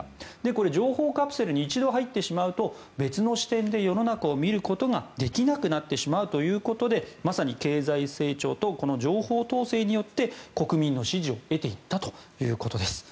これは情報カプセルに一度入ってしまうと別の視点で世の中を見ることができなくなってしまうということでまさに経済成長と情報統制によって国民の支持を得ていったということです。